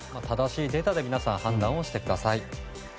正しいデータで皆さん判断をしてください。